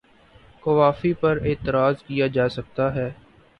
قوافی پر اعتراض کیا جا سکتا ہے۔